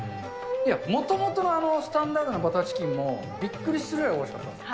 いや、もともとのあのスタンダードなバターチキンも、びっくりするぐらいおいしかったんです。